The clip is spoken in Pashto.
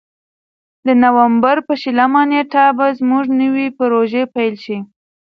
د نوامبر په شلمه نېټه به زموږ نوې پروژې پیل شي.